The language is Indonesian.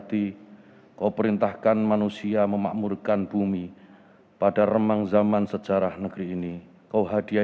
doa bersama dipimpin oleh menteri agama republik indonesia